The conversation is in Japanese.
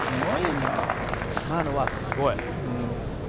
今のはすごい。